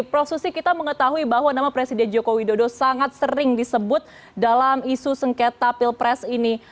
prof susi kita mengetahui bahwa nama presiden joko widodo sangat sering disebut dalam isu sengketa pilpres ini